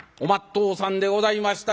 とおさんでございました。